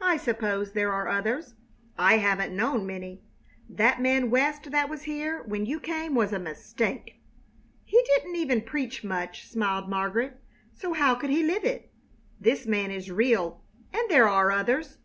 I suppose there are others. I haven't known many. That man West that was here when you came was a mistake!" "He didn't even preach much," smiled Margaret, "so how could he live it? This man is real. And there are others.